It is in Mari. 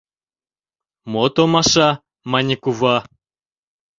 Мо томаша? — мане кува.